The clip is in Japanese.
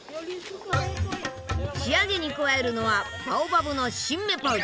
仕上げに加えるのはバオバブの新芽パウダー。